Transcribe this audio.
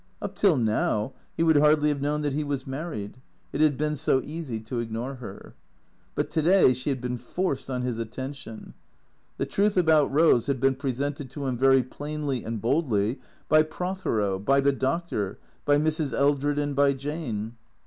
Up till now he would hardly have known that he was married; it had been so easy to ignore her. But to day she had been forced on his attention. The truth about Eose had been presented to him very plainly and boldly by Prothero, by the doctor, by Mrs. Eldred and by Jane.